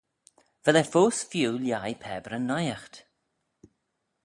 Vel eh foast feeu lhaih pabyryn naight?